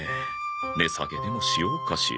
値下げでもしようかしら？